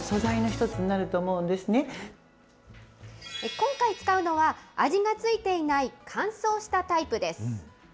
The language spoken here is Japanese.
今回使うのは、味が付いていない乾燥したタイプです。